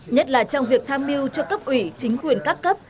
nhất là trong việc tham mưu cho cấp ủy chính quyền các cấp